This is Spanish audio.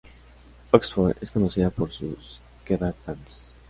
Oxford es conocida por sus "kebab vans".